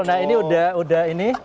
nah ini udah ini